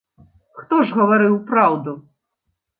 Хто ж гаварыў праўду?